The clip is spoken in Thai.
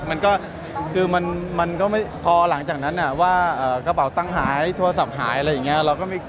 มันก็คือมันก็ไม่พอหลังจากนั้นว่ากระเป๋าตั้งหายโทรศัพท์หายอะไรอย่างนี้